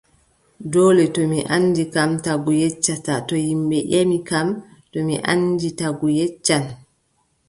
Doole to mi anndi kam, tagu yeccata, to ƴimɓe ƴemi kam to mi anndi, tagu yeccan.